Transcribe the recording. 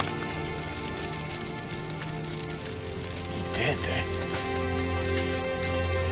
痛えて。